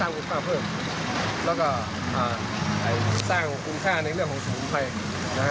สร้างคุณค่าในเรื่องของสูงไพร